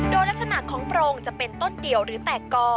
โดยลักษณะของโปรงจะเป็นต้นเดียวหรือแตกกอ